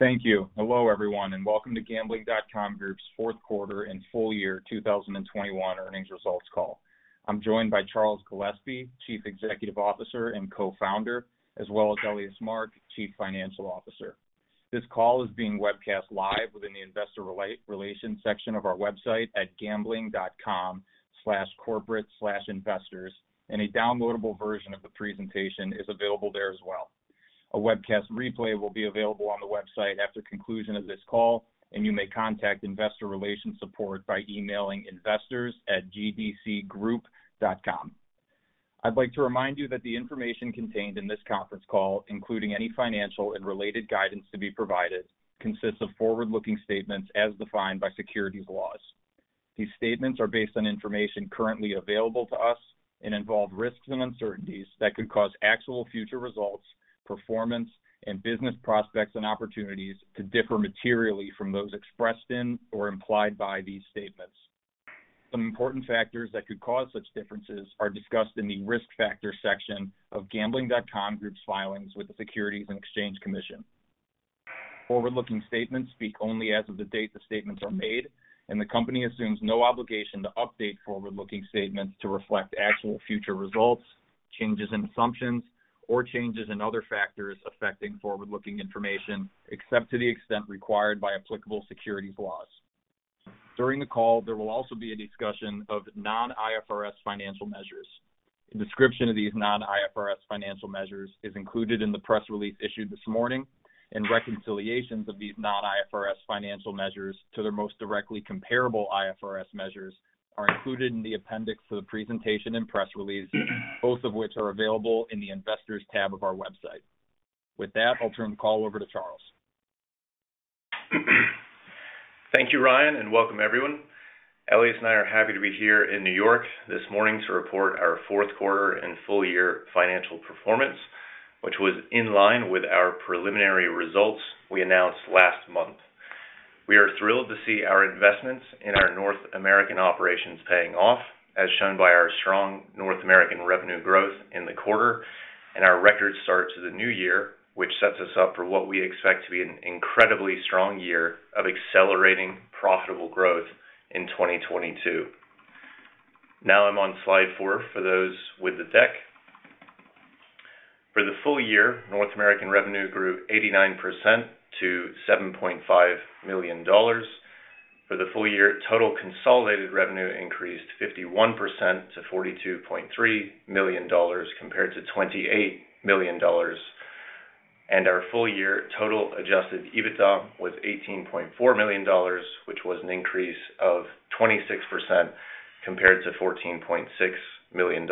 Thank you. Hello, everyone, and welcome to Gambling.com Group's fourth quarter and full year 2021 earnings results call. I'm joined by Charles Gillespie, Chief Executive Officer and Co-Founder, as well as Elias Mark, Chief Financial Officer. This call is being webcast live within the investor relations section of our website at gambling.com/corporate/investors, and a downloadable version of the presentation is available there as well. A webcast replay will be available on the website after conclusion of this call, and you may contact investor relations support by emailing investors@gdcgroup.com. I'd like to remind you that the information contained in this conference call, including any financial and related guidance to be provided, consists of forward-looking statements as defined by securities laws. These statements are based on information currently available to us and involve risks and uncertainties that could cause actual future results, performance, and business prospects and opportunities to differ materially from those expressed in or implied by these statements. Some important factors that could cause such differences are discussed in the Risk Factors section of Gambling.com Group's filings with the Securities and Exchange Commission. Forward-looking Statements speak only as of the date the statements are made, and the company assumes no obligation to update forward-looking Statements to reflect actual future results, changes in assumptions, or changes in other factors affecting forward-looking information, except to the extent required by applicable securities laws. During the call, there will also be a discussion of non-IFRS financial measures. A description of these non-IFRS financial measures is included in the press release issued this morning, and reconciliations of these non-IFRS financial measures to their most directly comparable IFRS measures are included in the appendix for the presentation and press release, both of which are available in the Investors tab of our website. With that, I'll turn the call over to Charles. Thank you, Ryan, and welcome everyone. Elias and I are happy to be here in New York this morning to report our fourth quarter and full year financial performance, which was in line with our preliminary results we announced last month. We are thrilled to see our investments in our North American operations paying off, as shown by our strong North American revenue growth in the quarter and our record start to the new year, which sets us up for what we expect to be an incredibly strong year of accelerating profitable growth in 2022. Now I'm on slide four for those with the deck. For the full year, North American revenue grew 89% to $7.5 million. For the full year, total consolidated revenue increased 51% to $42.3 million compared to $28 million. Our full-year total adjusted EBITDA was $18.4 million, which was an increase of 26% compared to $14.6 million.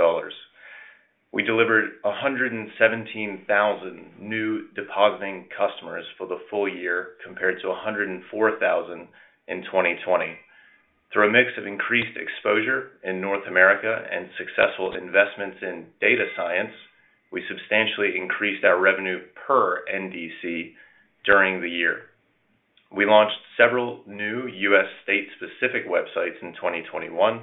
We delivered 117,000 new depositing customers for the full year compared to 104,000 in 2020. Through a mix of increased exposure in North America and successful investments in data science, we substantially increased our revenue per NDC during the year. We launched several new U.S. state-specific websites in 2021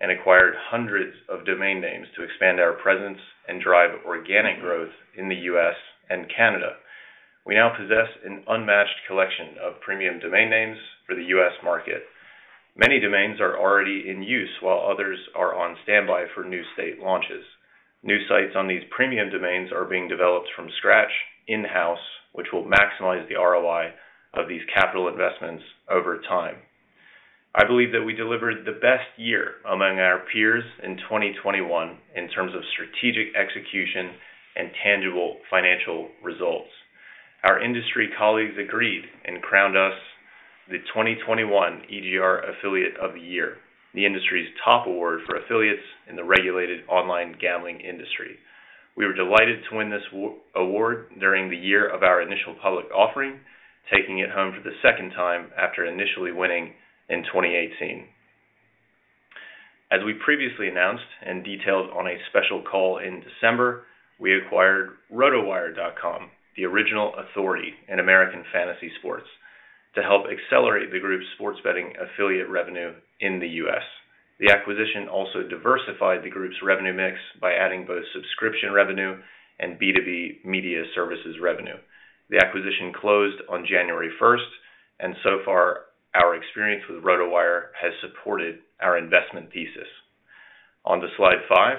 and acquired hundreds of domain names to expand our presence and drive organic growth in the U.S. and Canada. We now possess an unmatched collection of premium domain names for the U.S. market. Many domains are already in use, while others are on standby for new state launches. New sites on these premium domains are being developed from scratch in-house, which will maximize the ROI of these capital investments over time. I believe that we delivered the best year among our peers in 2021 in terms of strategic execution and tangible financial results. Our industry colleagues agreed and crowned us the 2021 EGR Affiliate of the Year, the industry's top award for affiliates in the regulated online gambling industry. We were delighted to win this award during the year of our initial public offering, taking it home for the second time after initially winning in 2018. As we previously announced and detailed on a special call in December, we acquired RotoWire.com, the original authority in American fantasy sports, to help accelerate the group's sports betting affiliate revenue in the U.S. The acquisition also diversified the group's revenue mix by adding both subscription revenue and B2B media services revenue. The acquisition closed on January 1st, and so far, our experience with RotoWire has supported our investment thesis. On to slide five.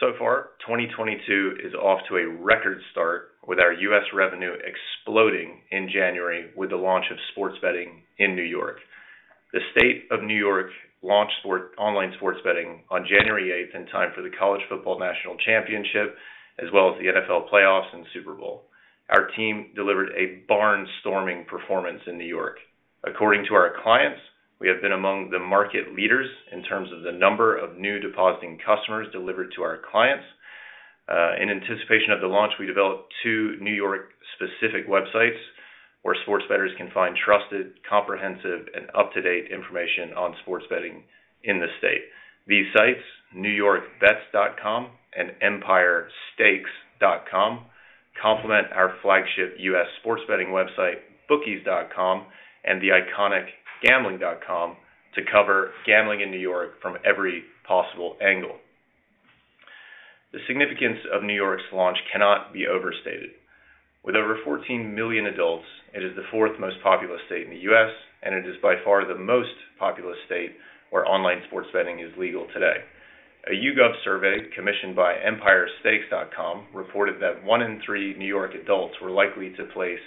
So far, 2022 is off to a record start with our U.S. revenue exploding in January with the launch of sports betting in New York. The state of New York launched online sports betting on January 8th in time for the College Football National Championship, as well as the NFL playoffs and Super Bowl. Our team delivered a barnstorming performance in New York. According to our clients, we have been among the market leaders in terms of the number of new depositing customers delivered to our clients. In anticipation of the launch, we developed two New York-specific websites where sports bettors can find trusted, comprehensive, and up-to-date information on sports betting in the state. These sites, NewYorkBets.com and EmpireStakes.com, complement our flagship U.S. sports betting website, bookies.com, and the iconic gambling.com to cover gambling in New York from every possible angle. The significance of New York's launch cannot be overstated. With over 14 million adults, it is the fourth most populous state in the U.S., and it is by far the most populous state where online sports betting is legal today. A YouGov survey commissioned by EmpireStakes.com reported that one in three New York adults were likely to place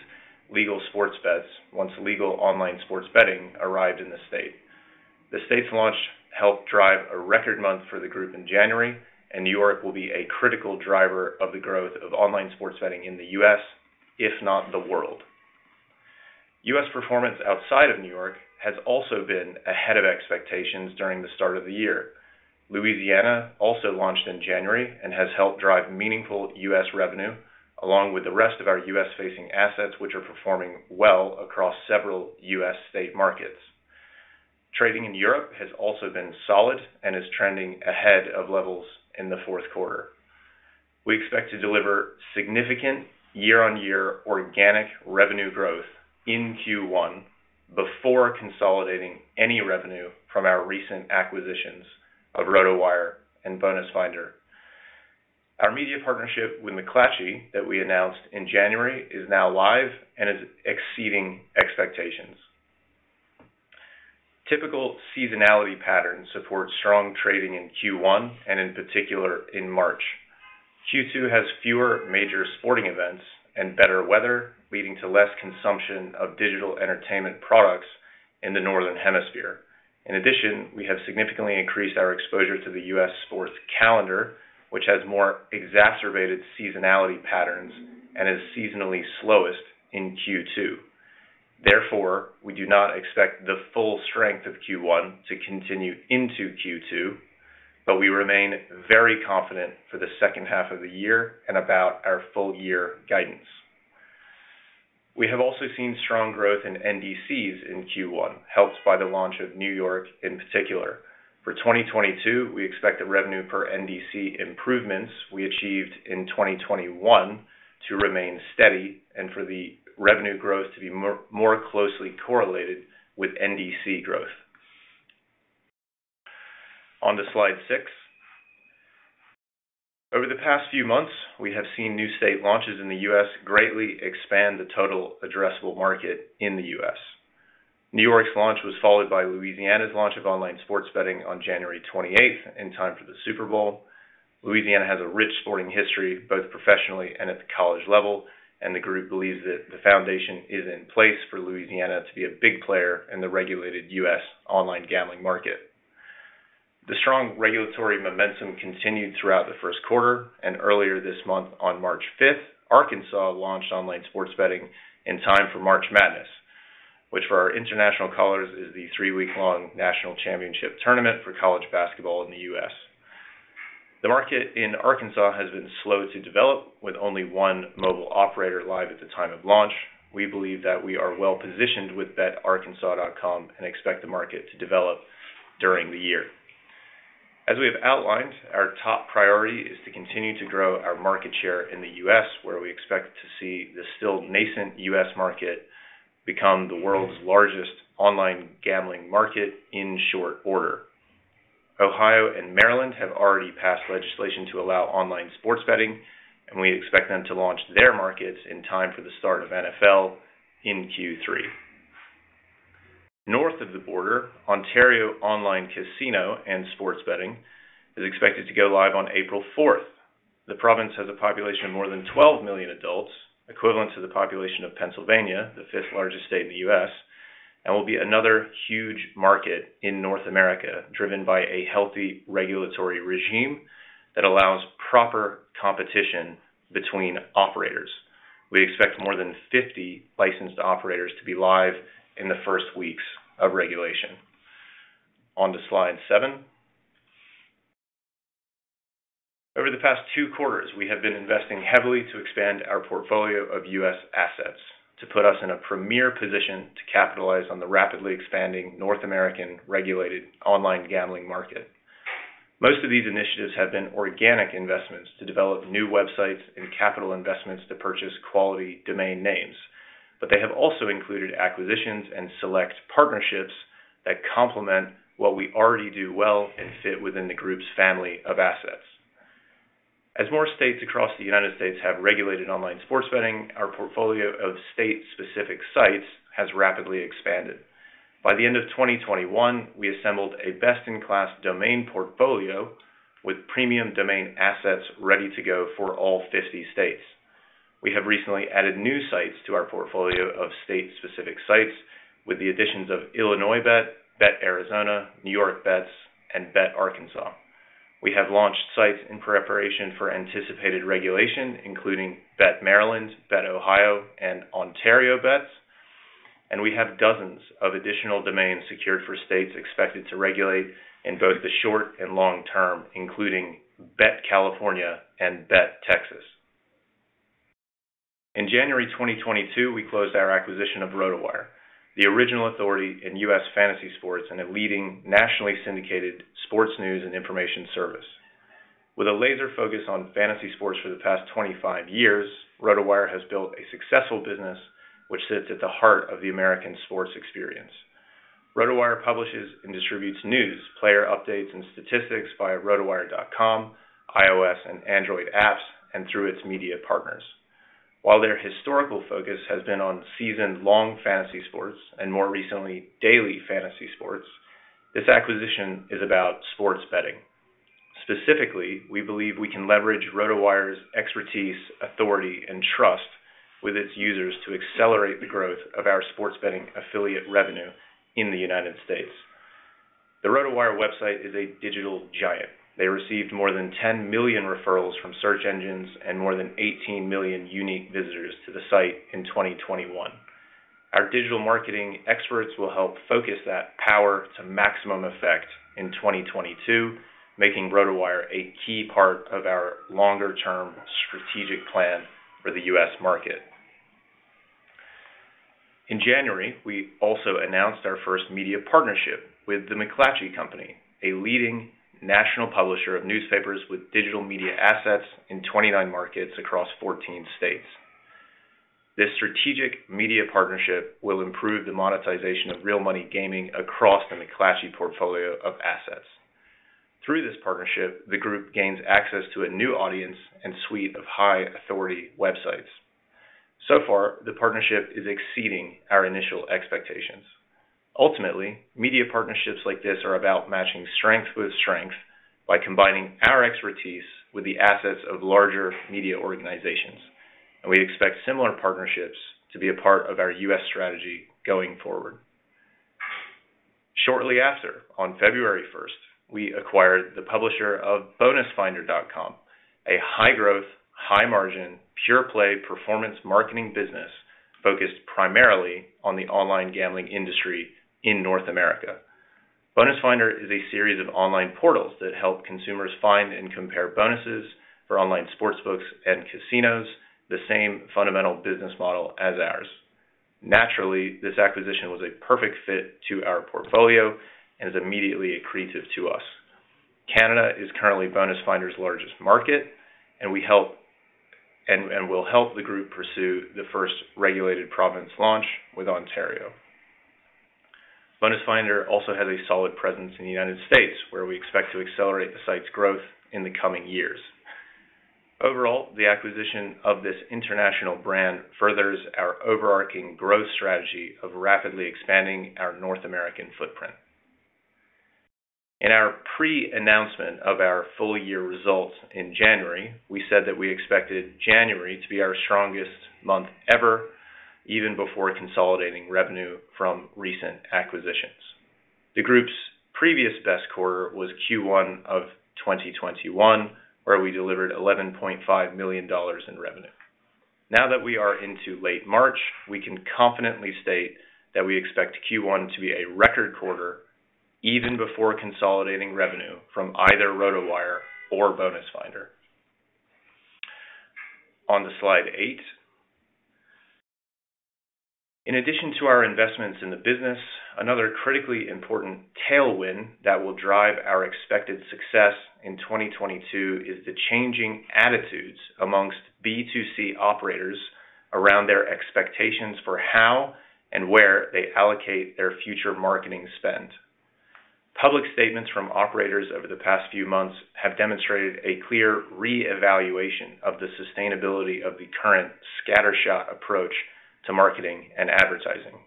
legal sports bets once legal online sports betting arrived in the state. The state's launch helped drive a record month for the group in January, and New York will be a critical driver of the growth of online sports betting in the U.S., if not the world. U.S. performance outside of New York has also been ahead of expectations during the start of the year. Louisiana also launched in January and has helped drive meaningful U.S. revenue along with the rest of our U.S.-facing assets, which are performing well across several U.S. state markets. Trading in Europe has also been solid and is trending ahead of levels in the fourth quarter. We expect to deliver significant year-on-year organic revenue growth in Q1 before consolidating any revenue from our recent acquisitions of RotoWire and BonusFinder. Our media partnership with McClatchy that we announced in January is now live and is exceeding expectations. Typical seasonality patterns support strong trading in Q1 and, in particular, in March. Q2 has fewer major sporting events and better weather, leading to less consumption of digital entertainment products in the Northern Hemisphere. In addition, we have significantly increased our exposure to the U.S. sports calendar, which has more exacerbated seasonality patterns and is seasonally slowest in Q2. Therefore, we do not expect the full strength of Q1 to continue into Q2, but we remain very confident for the second half of the year and about our full year guidance. We have also seen strong growth in NDCs in Q1, helped by the launch of New York in particular. For 2022, we expect the revenue per NDC improvements we achieved in 2021 to remain steady and for the revenue growth to be more closely correlated with NDC growth. On to slide six. Over the past few months, we have seen new state launches in the U.S. greatly expand the total addressable market in the U.S. New York's launch was followed by Louisiana's launch of online sports betting on January 28th in time for the Super Bowl. Louisiana has a rich sporting history, both professionally and at the college level, and the group believes that the foundation is in place for Louisiana to be a big player in the regulated U.S. online gambling market. The strong regulatory momentum continued throughout the first quarter, and earlier this month, on March 5th, Arkansas launched online sports betting in time for March Madness, which for our international callers is the three-week-long national championship tournament for college basketball in the U.S. The market in Arkansas has been slow to develop, with only one mobile operator live at the time of launch. We believe that we are well-positioned with betarkansas.com and expect the market to develop during the year. As we have outlined, our top priority is to continue to grow our market share in the U.S., where we expect to see the still-nascent U.S. market become the world's largest online gambling market in short order. Ohio and Maryland have already passed legislation to allow online sports betting, and we expect them to launch their markets in time for the start of NFL in Q3. North of the border, Ontario online casino and sports betting is expected to go live on April 4th. The province has a population of more than 12 million adults, equivalent to the population of Pennsylvania, the fifth largest state in the U.S., and will be another huge market in North America, driven by a healthy regulatory regime that allows proper competition between operators. We expect more than 50 licensed operators to be live in the first weeks of regulation. On to slide seven. Over the past two quarters, we have been investing heavily to expand our portfolio of U.S. assets to put us in a premier position to capitalize on the rapidly expanding North American regulated online gambling market. Most of these initiatives have been organic investments to develop new websites and capital investments to purchase quality domain names, but they have also included acquisitions and select partnerships that complement what we already do well and fit within the group's family of assets. As more states across the United States have regulated online sports betting, our portfolio of state-specific sites has rapidly expanded. By the end of 2021, we assembled a best-in-class domain portfolio with premium domain assets ready to go for all 50 states. We have recently added new sites to our portfolio of state-specific sites with the additions of IllinoisBet, BetArizona, NewYorkBets, and BetArkansas. We have launched sites in preparation for anticipated regulation, including BetMaryland, BetOhio, and OntarioBets, and we have dozens of additional domains secured for states expected to regulate in both the short and long term, including BetCalifornia and BetTexas. In January 2022, we closed our acquisition of RotoWire, the original authority in U.S. fantasy sports and a leading nationally syndicated sports news and information service. With a laser focus on fantasy sports for the past 25 years, RotoWire has built a successful business which sits at the heart of the American sports experience. RotoWire publishes and distributes news, player updates, and statistics via RotoWire.com, iOS and Android apps, and through its media partners. While their historical focus has been on seasoned long fantasy sports and more recently, daily fantasy sports, this acquisition is about sports betting. Specifically, we believe we can leverage RotoWire's expertise, authority, and trust with its users to accelerate the growth of our sports betting affiliate revenue in the United States. The RotoWire website is a digital giant. They received more than 10 million referrals from search engines and more than 18 million unique visitors to the site in 2021. Our digital marketing experts will help focus that power to maximum effect in 2022, making RotoWire a key part of our longer-term strategic plan for the U.S. market. In January, we also announced our first media partnership with The McClatchy Company, a leading national publisher of newspapers with digital media assets in 29 markets across 14 states. This strategic media partnership will improve the monetization of real money gaming across the McClatchy portfolio of assets. Through this partnership, the group gains access to a new audience and suite of high authority websites. So far, the partnership is exceeding our initial expectations. Ultimately, media partnerships like this are about matching strength with strength by combining our expertise with the assets of larger media organizations, and we expect similar partnerships to be a part of our U.S. strategy going forward. Shortly after, on February 1st, we acquired the publisher of bonusfinder.com, a high-growth, high-margin, pure-play performance marketing business focused primarily on the online gambling industry in North America. BonusFinder is a series of online portals that help consumers find and compare bonuses for online sportsbooks and casinos, the same fundamental business model as ours. Naturally, this acquisition was a perfect fit to our portfolio and is immediately accretive to us. Canada is currently BonusFinder's largest market, and we will help the group pursue the first regulated province launch with Ontario. BonusFinder also has a solid presence in the United States, where we expect to accelerate the site's growth in the coming years. Overall, the acquisition of this international brand furthers our overarching growth strategy of rapidly expanding our North American footprint. In our pre-announcement of our full year results in January, we said that we expected January to be our strongest month ever, even before consolidating revenue from recent acquisitions. The group's previous best quarter was Q1 of 2021, where we delivered $11.5 million in revenue. Now that we are into late March, we can confidently state that we expect Q1 to be a record quarter even before consolidating revenue from either RotoWire or BonusFinder. On to slide eight. In addition to our investments in the business, another critically important tailwind that will drive our expected success in 2022 is the changing attitudes among B2C operators around their expectations for how and where they allocate their future marketing spend. Public statements from operators over the past few months have demonstrated a clear re-evaluation of the sustainability of the current scattershot approach to marketing and advertising.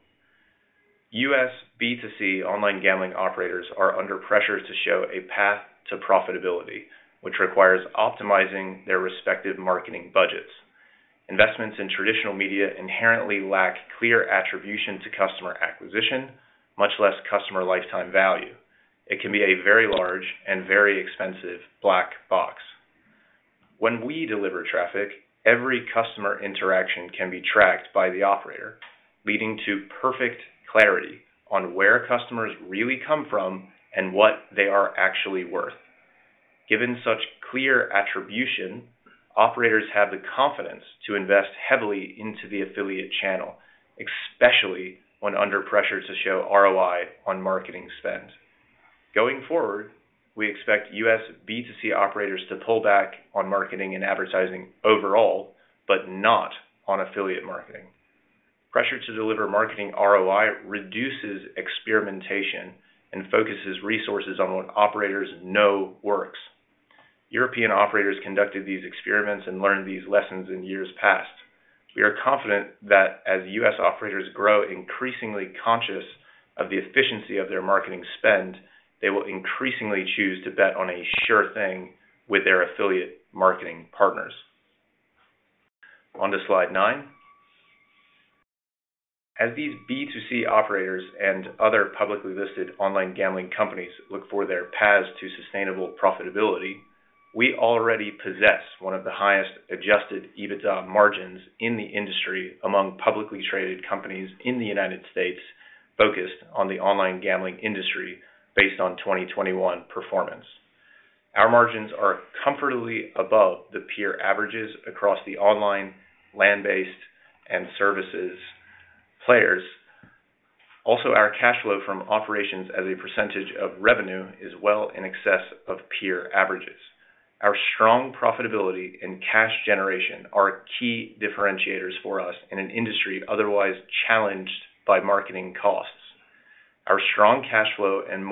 U.S. B2C online gambling operators are under pressure to show a path to profitability, which requires optimizing their respective marketing budgets. Investments in traditional media inherently lack clear attribution to customer acquisition, much less customer lifetime value. It can be a very large and very expensive black box. When we deliver traffic, every customer interaction can be tracked by the operator, leading to perfect clarity on where customers really come from and what they are actually worth. Given such clear attribution, operators have the confidence to invest heavily into the affiliate channel, especially when under pressure to show ROI on marketing spend. Going forward, we expect U.S. B2C operators to pull back on marketing and advertising overall, but not on affiliate marketing. Pressure to deliver marketing ROI reduces experimentation and focuses resources on what operators know works. European operators conducted these experiments and learned these lessons in years past. We are confident that as U.S. operators grow increasingly conscious of the efficiency of their marketing spend, they will increasingly choose to bet on a sure thing with their affiliate marketing partners. On to slide nine. As these B2C operators and other publicly listed online gambling companies look for their paths to sustainable profitability, we already possess one of the highest adjusted EBITDA margins in the industry among publicly traded companies in the United States focused on the online gambling industry based on 2021 performance. Our margins are comfortably above the peer averages across the online, land-based, and services players. Also, our cash flow from operations as a percentage of revenue is well in excess of peer averages. Our strong profitability and cash generation are key differentiators for us in an industry otherwise challenged by marketing costs. Our strong cash flow and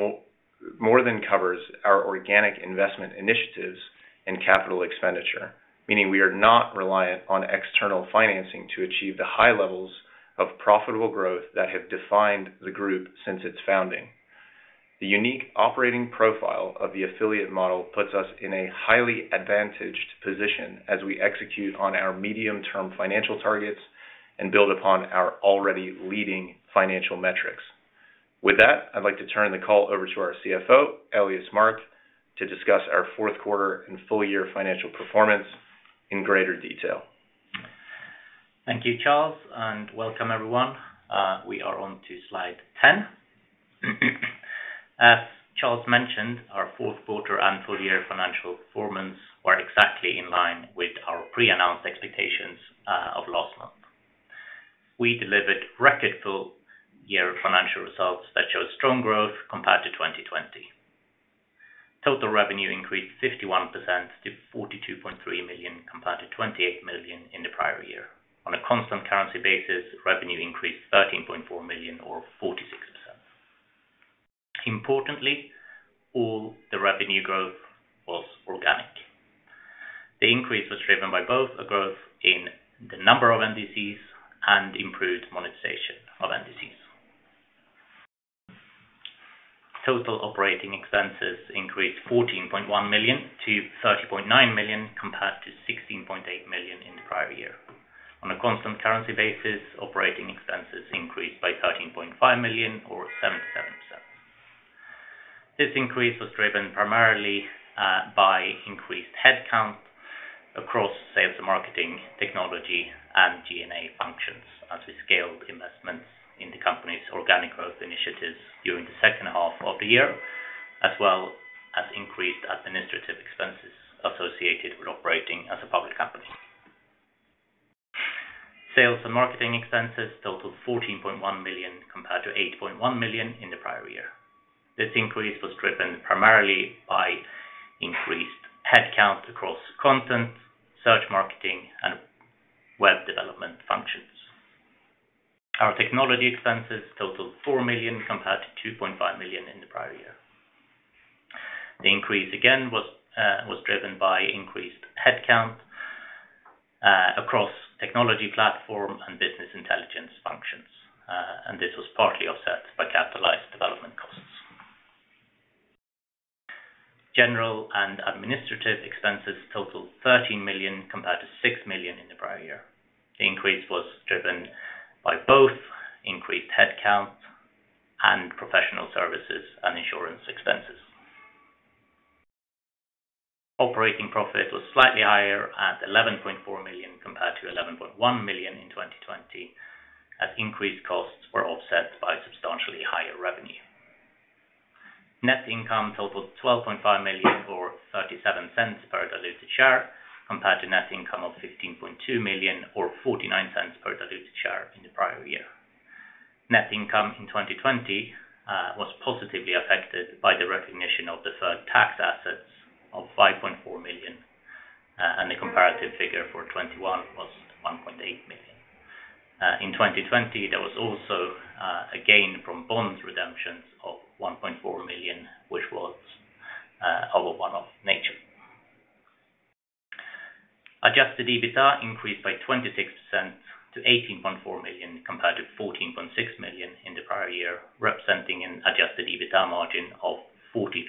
more than covers our organic investment initiatives and capital expenditure, meaning we are not reliant on external financing to achieve the high levels of profitable growth that have defined the group since its founding. The unique operating profile of the affiliate model puts us in a highly advantaged position as we execute on our medium-term financial targets and build upon our already leading financial metrics. With that, I'd like to turn the call over to our CFO, Elias Mark, to discuss our fourth quarter and full year financial performance in greater detail. Thank you, Charles, and welcome everyone. We are on to slide 10. As Charles mentioned, our fourth quarter and full year financial performance were exactly in line with our pre-announced expectations of last month. We delivered record full year financial results that showed strong growth compared to 2020. Total revenue increased 51% to $42.3 million compared to $28 million in the prior year. On a constant currency basis, revenue increased $13.4 million or 46%. Importantly, all the revenue growth was organic. The increase was driven by both a growth in the number of NDCs and improved monetization of NDCs. Total operating expenses increased $14.1 million to $30.9 million compared to $16.8 million in the prior year. On a constant currency basis, operating expenses increased by $13.5 million or 77%. This increase was driven primarily by increased headcount across sales and marketing, technology, and G&A functions as we scaled investments in the company's organic growth initiatives during the second half of the year, as well as increased administrative expenses associated with operating as a public company. Sales and marketing expenses totaled $14.1 million compared to $8.1 million in the prior year. This increase was driven primarily by increased headcount across content, search marketing, and web development functions. Our technology expenses totaled $4 million compared to $2.5 million in the prior year. The increase again was driven by increased headcount across technology platform and business intelligence functions. This was partly offset by capitalized development costs. General and administrative expenses totaled $13 million compared to $6 million in the prior year. The increase was driven by both increased headcount and professional services and insurance expenses. Operating profit was slightly higher at $11.4 million compared to $11.1 million in 2020, as increased costs were offset by substantially higher revenue. Net income totaled $12.5 million or $0.37 per diluted share, compared to net income of $15.2 million or $0.49 per diluted share in the prior year. Net income in 2020 was positively affected by the recognition of deferred tax assets of $5.4 million, and the comparative figure for 2021 was $1.8 million. In 2020, there was also a gain from bonds redemptions of $1.4 million, which was one-off in nature. Adjusted EBITDA increased by 26% to $18.4 million, compared to $14.6 million in the prior year, representing an adjusted EBITDA margin of 43%.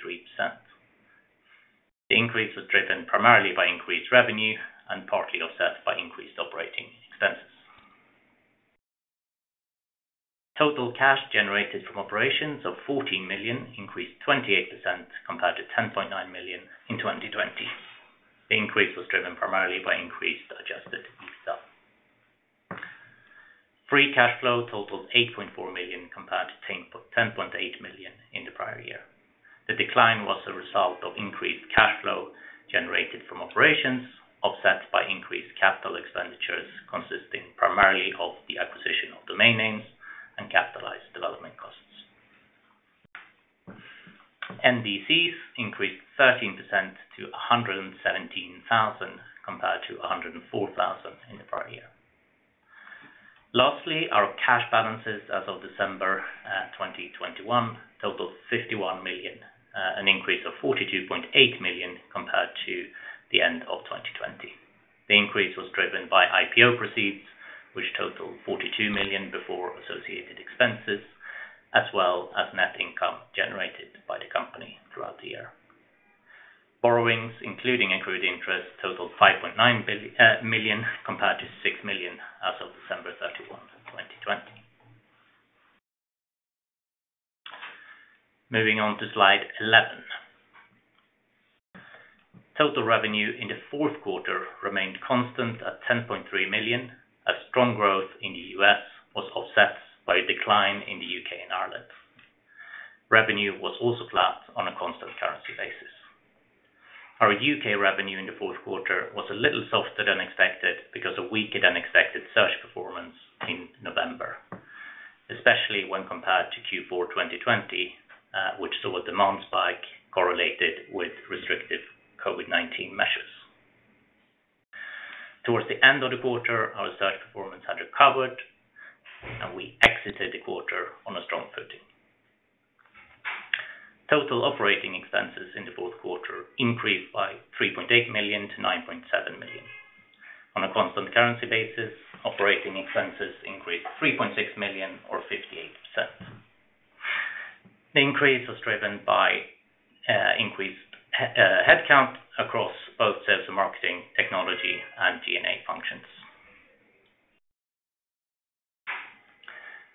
The increase was driven primarily by increased revenue and partly offset by increased operating expenses. Total cash generated from operations of $14 million increased 28% compared to $10.9 million in 2020. The increase was driven primarily by increased adjusted EBITDA. Free cash flow totaled $8.4 million compared to $10.8 million in the prior year. The decline was a result of increased cash flow generated from operations offset by increased capital expenditures, consisting primarily of the acquisition of domain names and capitalized development costs. NDCs increased 13% to 117,000 compared to 104,000 in the prior year. Lastly, our cash balances as of December 2021 totaled $51 million, an increase of $42.8 million compared to the end of 2020. The increase was driven by IPO proceeds, which totaled $42 million before associated expenses, as well as net income generated by the company throughout the year. Borrowings, including accrued interest, totaled $5.9 million compared to $6 million as of December 31, 2020. Moving on to slide 11. Total revenue in the fourth quarter remained constant at $10.3 million, as strong growth in the U.S. was offset by a decline in the U.K. and Ireland. Revenue was also flat on a constant currency basis. Our U.K. revenue in the fourth quarter was a little softer than expected because of weaker than expected search performance in Q4 2020, which saw a demand spike correlated with restrictive COVID-19 measures. Towards the end of the quarter, our search performance had recovered and we exited the quarter on a strong footing. Total operating expenses in the fourth quarter increased by $3.8 million to $9.7 million. On a constant currency basis, operating expenses increased $3.6 million or 58%. The increase was driven by increased headcount across both sales and marketing, technology, and G&A functions.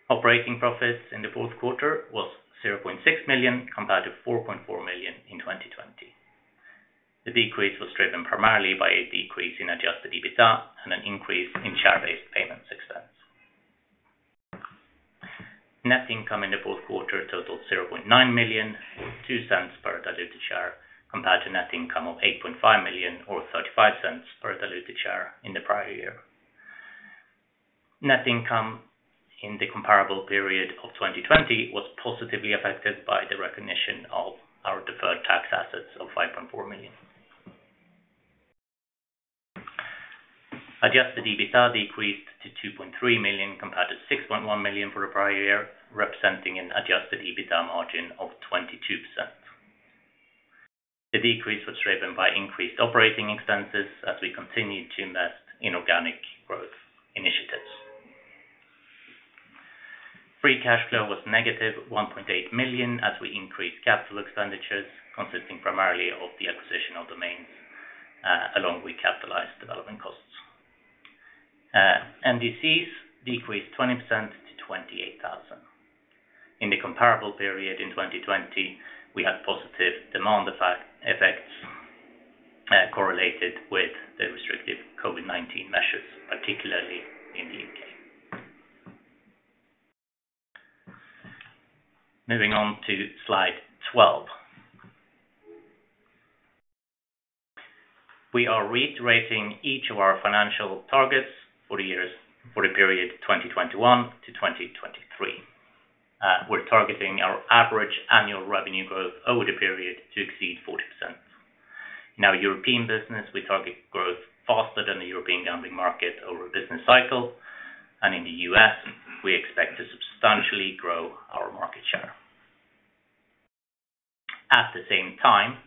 Operating profits in the fourth quarter was $0.6 million, compared to $4.4 million in 2020. The decrease was driven primarily by a decrease in adjusted EBITDA and an increase in share-based payments expense. Net income in the fourth quarter totals $0.9 million, $0.02 per diluted share, compared to net income of $8.5 million, or $0.35 per diluted share in the prior year. Net income in the comparable period of 2020 was positively affected by the recognition of our deferred tax assets of $5.4 million. Adjusted EBITDA decreased to $2.3 million compared to $6.1 million for the prior year, representing an adjusted EBITDA margin of 22%. The decrease was driven by increased operating expenses as we continued to invest in organic growth initiatives. Free cash flow was negative $1.8 million as we increased capital expenditures, consisting primarily of the acquisition of domains, along with capitalized development costs. NDC decreased 20% to 28,000. In the comparable period in 2020, we had positive demand effects correlated with the restrictive COVID-19 measures, particularly in the U.K. Moving on to Slide 12. We are reiterating each of our financial targets for the period 2021 to 2023. We're targeting our average annual revenue growth over the period to exceed 40%. In our European business, we target growth faster than the European gambling market over a business cycle, and in the U.S., we expect to substantially grow our market share. At the same time,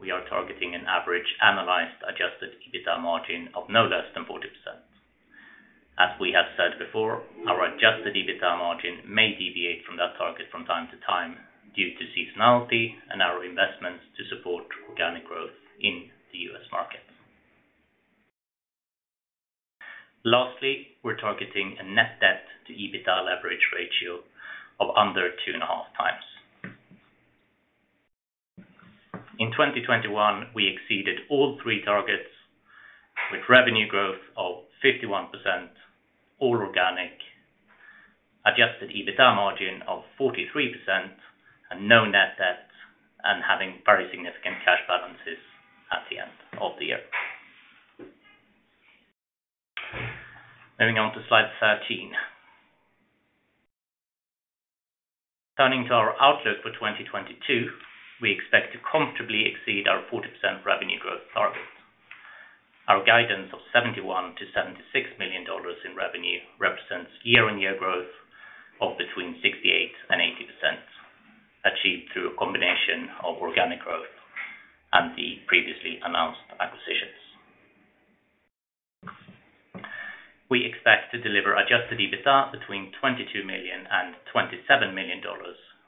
we are targeting an average annualized adjusted EBITDA margin of no less than 40%. As we have said before, our adjusted EBITDA margin may deviate from that target from time to time due to seasonality and our investments to support organic growth in the U.S. market. Lastly, we're targeting a net debt to EBITDA leverage ratio of under 2.5 times. In 2021, we exceeded all three targets with revenue growth of 51%, all organic, adjusted EBITDA margin of 43% and no net debt, and having very significant cash balances at the end of the year. Moving on to Slide 13. Turning to our outlook for 2022, we expect to comfortably exceed our 40% revenue growth target. Our guidance of $71 million-$76 million in revenue represents year-on-year growth of between 68% and 80%, achieved through a combination of organic growth and the previously announced acquisitions. We expect to deliver adjusted EBITDA between $22 million and $27 million,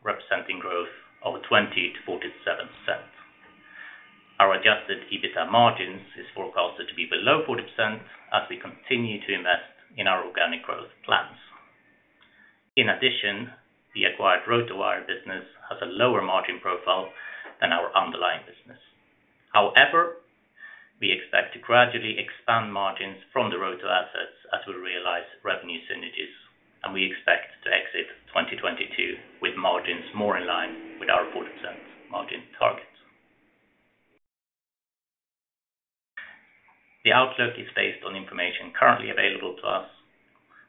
representing growth of 20%-47%. Our adjusted EBITDA margins is forecasted to be below 40% as we continue to invest in our organic growth plans. In addition, the acquired RotoWire business has a lower margin profile than our underlying business. However, we expect to gradually expand margins from the Roto assets as we realize revenue synergies, and we expect to exit 2022 with margins more in line with our 40% margin target. The outlook is based on information currently available to us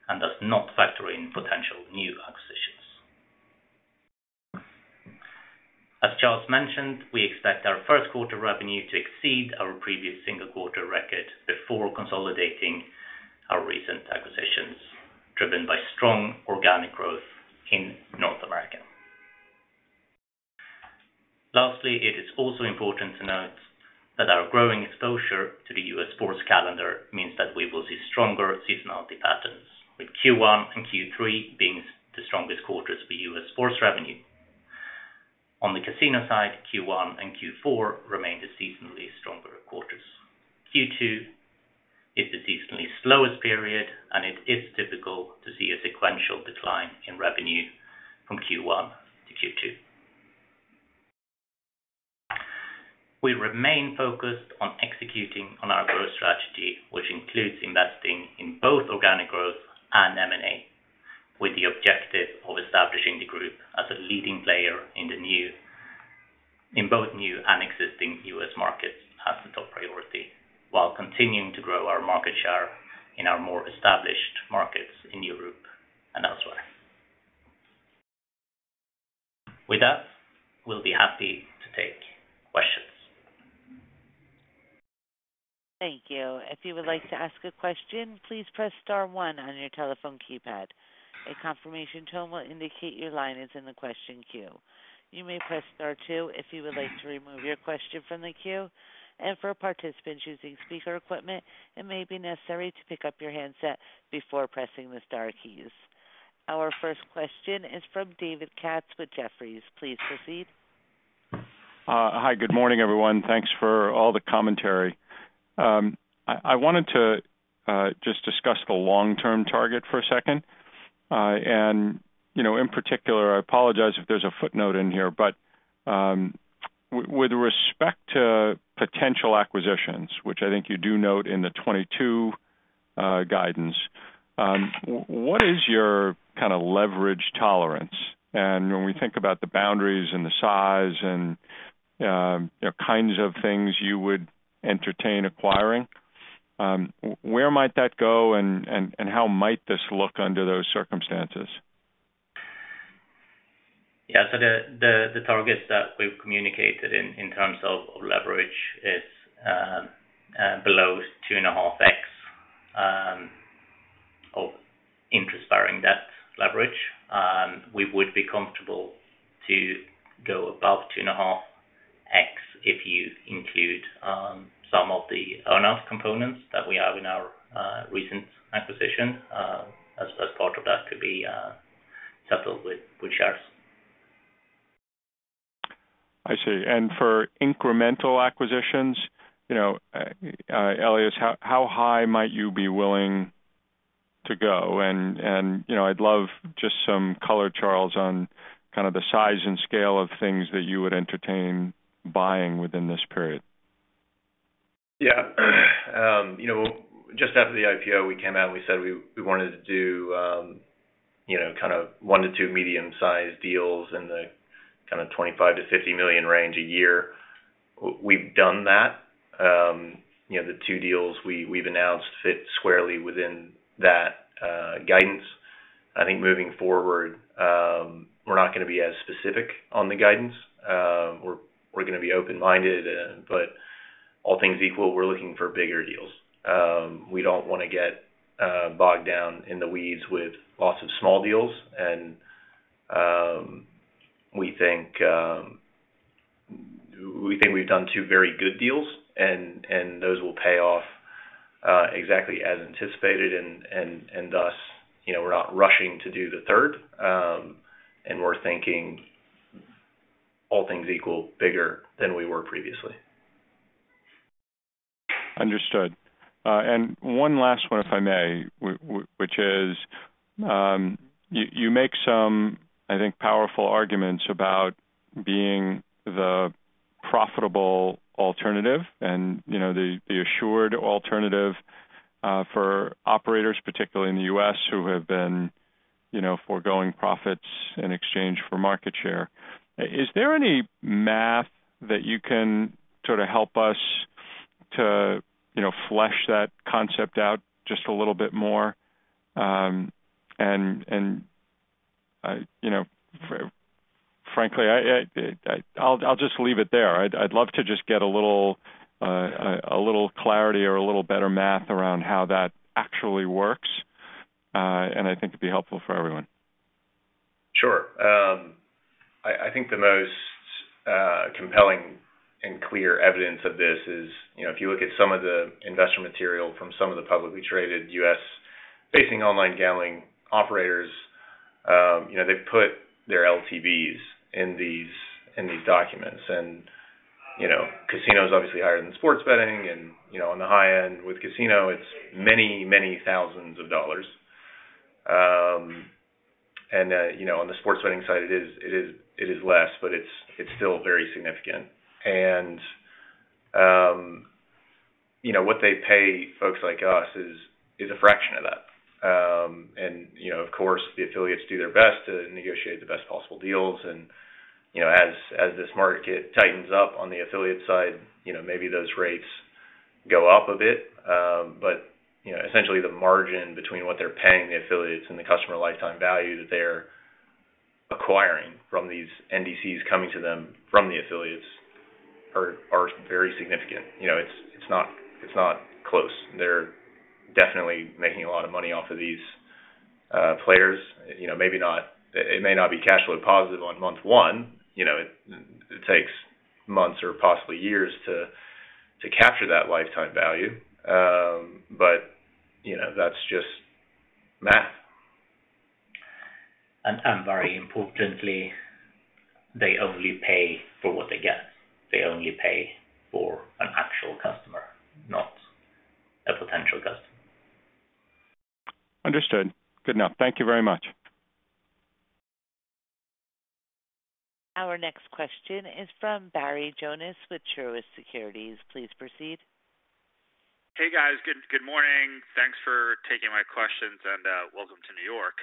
and does not factor in potential new acquisitions. As Charles mentioned, we expect our first quarter revenue to exceed our previous single quarter record before consolidating our recent acquisitions, driven by strong organic growth in North America. Lastly, it is also important to note that our growing exposure to the U.S. sports calendar means that we will see stronger seasonality patterns, with Q1 and Q3 being the strongest quarters for U.S. sports revenue. On the casino side, Q1 and Q4 remain the seasonally stronger quarters. Q2 is the seasonally slowest period, and it is typical to see a sequential decline in revenue from Q1 to Q2. We remain focused on executing on our growth strategy, which includes investing in both organic growth and M&A, with the objective of establishing the group as a leading player in both new and existing U.S. markets. While continuing to grow our market share in our more established markets in Europe and elsewhere. With that, we'll be happy to take questions. Thank you. If you would like to ask a question, please press star one on your telephone keypad. A confirmation tone will indicate your line is in the question queue. You may press star two if you would like to remove your question from the queue. For participants using speaker equipment, it may be necessary to pick up your handset before pressing the star keys. Our first question is from David Katz with Jefferies. Please proceed. Hi, good morning, everyone. Thanks for all the commentary. I wanted to just discuss the long-term target for a second. You know, in particular, I apologize if there's a footnote in here, but with respect to potential acquisitions, which I think you do note in the 2022 guidance, what is your kind of leverage tolerance? When we think about the boundaries and the size and the kinds of things you would entertain acquiring, where might that go and how might this look under those circumstances? The targets that we've communicated in terms of leverage is below 2.5x of interest bearing debt leverage. We would be comfortable to go above 2.5x if you include some of the earn out components that we have in our recent acquisition as part of that could be settled with shares. I see. For incremental acquisitions, you know, Elias, how high might you be willing to go? You know, I'd love just some color, Charles, on kind of the size and scale of things that you would entertain buying within this period. Yeah. You know, just after the IPO, we came out and we said we wanted to do, you know, kind of one to two medium-sized deals in the kind of $25 million-$50 million range a year. We've done that. You know, the two deals we've announced fit squarely within that guidance. I think moving forward, we're not gonna be as specific on the guidance. We're gonna be open-minded and, but all things equal, we're looking for bigger deals. We don't wanna get bogged down in the weeds with lots of small deals. We think we've done two very good deals, and those will pay off exactly as anticipated and, thus, you know, we're not rushing to do the third. We're thinking all things equal bigger than we were previously. Understood. One last one, if I may, which is, you make some, I think, powerful arguments about being the profitable alternative and, you know, the assured alternative for operators, particularly in the U.S., who have been, you know, foregoing profits in exchange for market share. Is there any math that you can sort of help us to, you know, flesh that concept out just a little bit more? You know, frankly, I'll just leave it there. I'd love to just get a little clarity or a little better math around how that actually works. I think it'd be helpful for everyone. Sure. I think the most compelling and clear evidence of this is, you know, if you look at some of the investor material from some of the publicly traded U.S.-facing online gambling operators, you know, they put their LTVs in these documents. Casino's obviously higher than sports betting. You know, on the high end with casino, it's many thousands of dollars. You know, on the sports betting side, it is less, but it's still very significant. You know, what they pay folks like us is a fraction of that. You know, of course, the affiliates do their best to negotiate the best possible deals. You know, as this market tightens up on the affiliate side, you know, maybe those rates go up a bit. Essentially the margin between what they're paying the affiliates and the customer lifetime value that they're acquiring from these NDCs coming to them from the affiliates are very significant. You know, it's not close. They're definitely making a lot of money off of these players. You know, maybe not. It may not be cash flow positive on month one. You know, it takes months or possibly years to capture that lifetime value. That's just math. Very importantly, they only pay for what they get. They only pay for an actual customer, not a potential customer. Understood. Good enough. Thank you very much. Our next question is from Barry Jonas with Truist Securities. Please proceed. Hey, guys. Good morning. Thanks for taking my questions, and welcome to New York.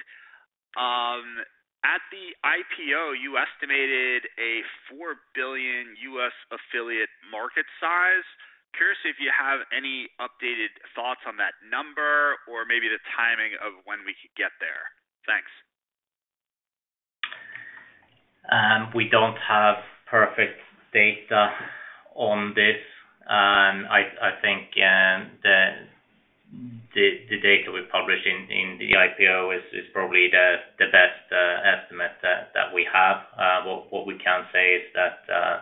At the IPO, you estimated a $4 billion U.S. affiliate market size. Curious if you have any updated thoughts on that number or maybe the timing of when we could get there. Thanks. We don't have perfect data on this, and I think the data we publish in the IPO is probably the best estimate that we have. What we can say is that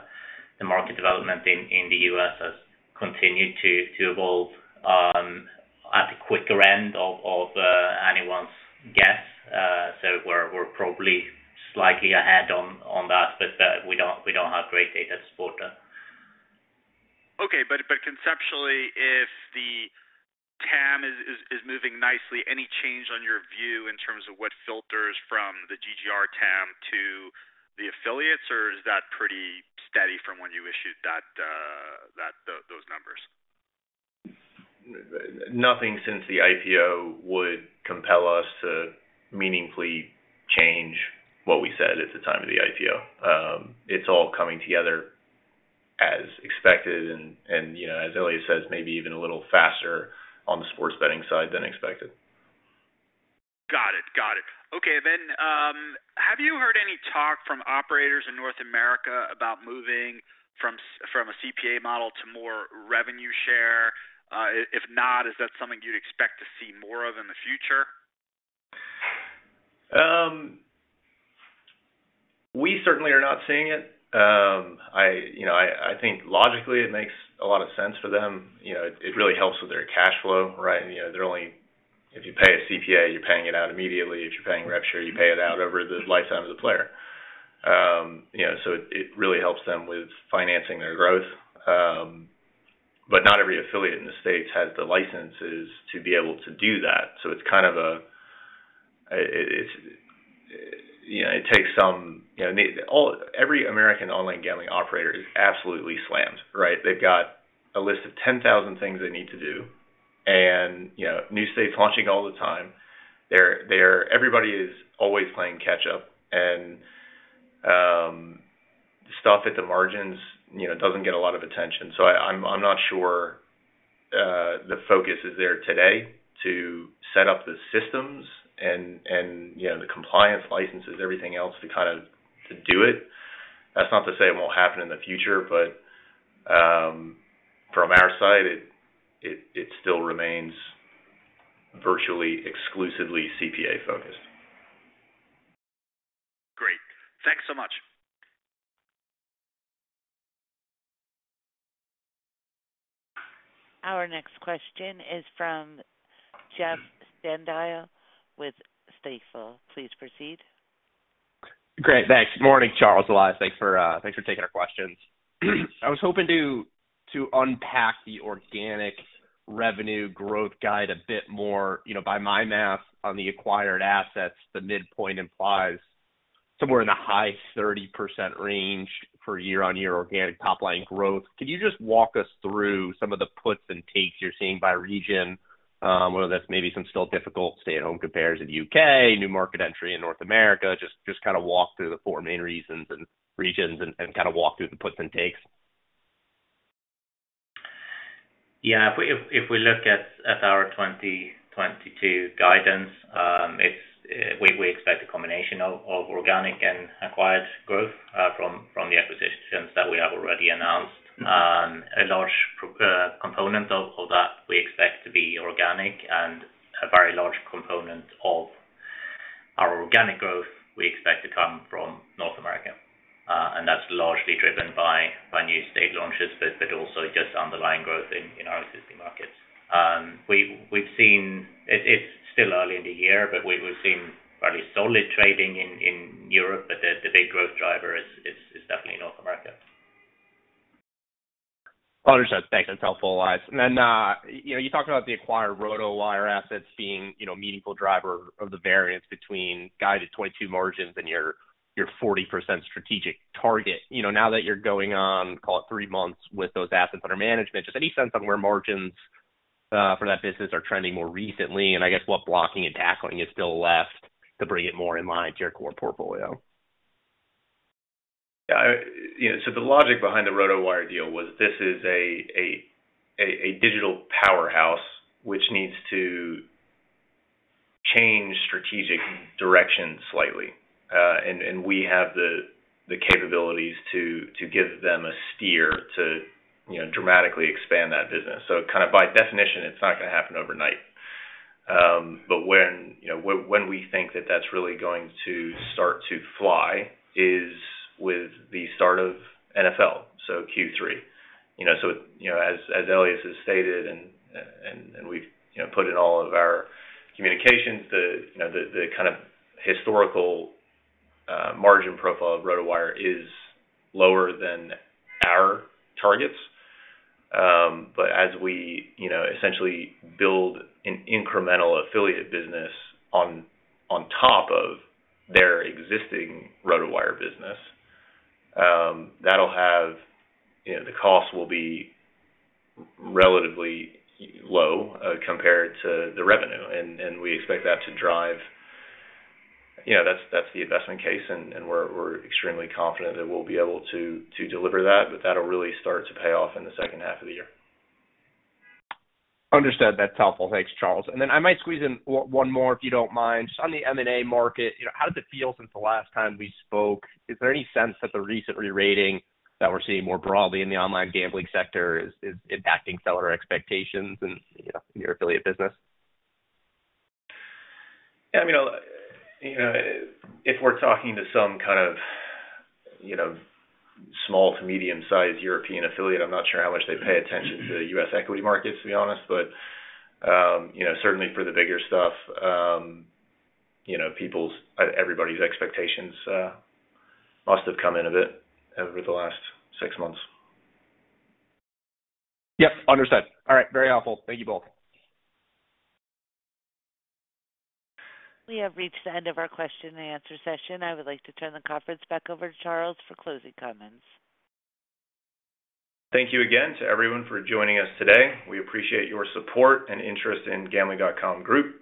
the market development in the U.S. has continued to evolve at a quicker end of anyone's guess. We're probably slightly ahead on that, but we don't have great data to support that. Okay. Conceptually, if the TAM is moving nicely, any change on your view in terms of what filters from the GGR TAM to the affiliates, or is that pretty steady from when you issued that, those numbers? Nothing since the IPO would compel us to meaningfully change what we said at the time of the IPO. It's all coming together as expected and, you know, as Elias says, maybe even a little faster on the sports betting side than expected. Got it. Okay. Have you heard any talk from operators in North America about moving from a CPA model to more revenue share? If not, is that something you'd expect to see more of in the future? We certainly are not seeing it. You know, I think logically it makes a lot of sense for them. You know, it really helps with their cash flow, right? You know, if you pay a CPA, you're paying it out immediately. If you're paying rev share, you pay it out over the lifetime of the player. You know, it really helps them with financing their growth. Not every affiliate in the States has the licenses to be able to do that. It's kind of a. It takes some, you know. Every American online gambling operator is absolutely slammed, right? They've got a list of 10,000 things they need to do and, you know, new states launching all the time. Everybody is always playing catch up and stuff at the margins, you know, doesn't get a lot of attention. I'm not sure the focus is there today to set up the systems and, you know, the compliance licenses, everything else to do it. That's not to say it won't happen in the future, but from our side, it still remains virtually exclusively CPA-focused. Great. Thanks so much. Our next question is from Jeff Stantial with Stifel. Please proceed. Great. Thanks. Morning, Charles, Elias. Thanks for taking our questions. I was hoping to unpack the organic revenue growth guide a bit more. You know, by my math on the acquired assets, the midpoint implies somewhere in the high 30% range for year-on-year organic top line growth. Could you just walk us through some of the puts and takes you're seeing by region? Whether that's maybe some still difficult stay-at-home compares in the U.K., new market entry in North America, just kinda walk through the four main reasons and regions and kinda walk through the puts and takes. Yeah. If we look at our 2022 guidance, we expect a combination of organic and acquired growth from the acquisitions that we have already announced. A large component of that we expect to be organic and a very large component of our organic growth we expect to come from North America. That's largely driven by new state launches, but also just underlying growth in our existing markets. It's still early in the year, but we've seen fairly solid trading in Europe, but the big growth driver is definitely North America. Understood. Thanks. That's helpful, Elias. You know, you talked about the acquired RotoWire assets being, you know, a meaningful driver of the variance between guided 2022 margins and your 40% strategic target. You know, now that you're going on, call it three months with those assets under management, just any sense on where margins for that business are trending more recently and I guess what blocking and tackling is still left to bring it more in line to your core portfolio? Yeah. You know, the logic behind the RotoWire deal was this is a digital powerhouse which needs to change strategic direction slightly. We have the capabilities to give them a steer to, you know, dramatically expand that business. Kind of by definition, it's not gonna happen overnight. When, you know, when we think that that's really going to start to fly is with the start of NFL, so Q3. As Elias has stated and we've put in all of our communications the kind of historical margin profile of RotoWire is lower than our targets. As we, you know, essentially build an incremental affiliate business on top of their existing RotoWire business, that'll have, you know, the cost will be relatively low, compared to the revenue and we expect that to drive. You know, that's the investment case and we're extremely confident that we'll be able to deliver that, but that'll really start to pay off in the second half of the year. Understood. That's helpful. Thanks, Charles. I might squeeze in one more if you don't mind. Just on the M&A market, you know, how does it feel since the last time we spoke? Is there any sense that the recent re-rating that we're seeing more broadly in the online gambling sector is impacting seller expectations in, you know, your affiliate business? Yeah, I mean, you know, if we're talking to some kind of, you know, small- to medium-sized European affiliate, I'm not sure how much they pay attention to the U.S. equity markets, to be honest. Certainly for the bigger stuff, you know, everybody's expectations must have come in a bit over the last six months. Yep, understood. All right, very helpful. Thank you both. We have reached the end of our question and answer session. I would like to turn the conference back over to Charles for closing comments. Thank you again to everyone for joining us today. We appreciate your support and interest in Gambling.com Group.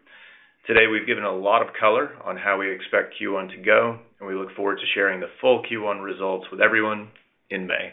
Today, we've given a lot of color on how we expect Q1 to go, and we look forward to sharing the full Q1 results with everyone in May.